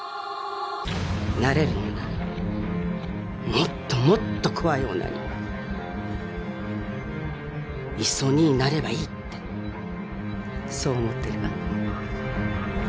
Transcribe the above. なれるものならもっともっと怖い女にいっそ鬼になればいいってそう思ってるわ。